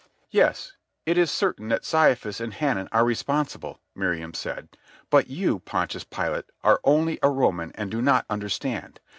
"Yes, it is certain that Caiaphas and Hanan are responsible," Miriam said, "but you, Pontius Pilate, are only a Roman and do not understand.